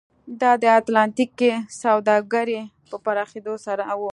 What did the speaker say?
دا د اتلانتیک کې سوداګرۍ په پراخېدو سره و.